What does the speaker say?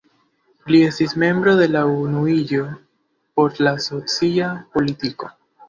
Li estis membro en la „Unuiĝo por la socia politiko”.